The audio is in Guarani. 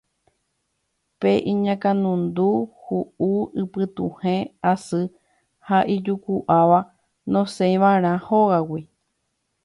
Pe iñakãnundu, hu'u, ipytuhẽ asy ha ijuku'áva nosẽiva'erã hógagui